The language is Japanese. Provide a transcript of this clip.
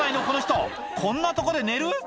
この人こんなとこで寝る？